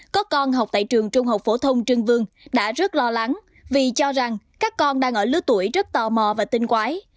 có con học tại trường trung học phổ thông trương vương đã rất lo lắng vì cho rằng các con đang ở lứa tuổi rất tò mò và tinh quái